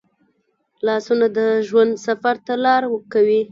لاسونه د ژوند سفر ته لار کوي